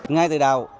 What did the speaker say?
ngay từ đầu